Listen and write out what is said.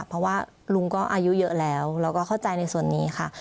เพราะว่าลุงก็อายุเยอะแล้วเราก็เข้าใจในส่วนนี้ค่ะ